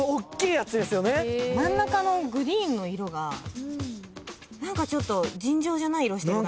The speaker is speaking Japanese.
真ん中のグリーンの色が何かちょっと尋常じゃない色してるな。